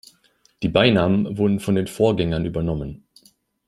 Die Beinamen wurden von den Vorgängern übernommen.